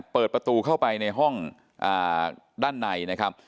เปิดประตูเข้าไปในห้องด้านในนะครับ